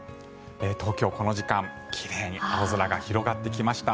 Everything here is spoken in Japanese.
東京、この時間奇麗に青空が広がってきました。